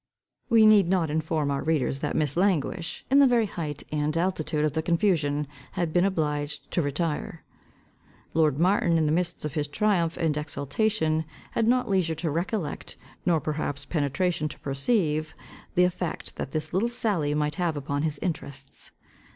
We need not inform our readers, that Miss Languish, in the very height and altitude of the confusion, had been obliged to retire. Lord Martin, in the midst of his triumph and exultation, had not leisure to recollect, nor perhaps penetration to perceive, the effect that this little sally might have upon his interests.